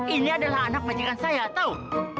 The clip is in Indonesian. ini adalah anak pacikan saya tau